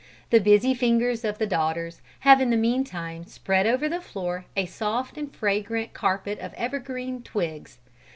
The busy fingers of the daughters have in the meantime spread over the floor a soft and fragrant carpet of evergreen twigs.